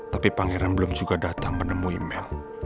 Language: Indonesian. tapi pangeran belum juga datang menemui mel